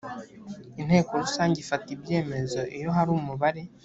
inteko rusange ifata ibyemezo iyo hari umubare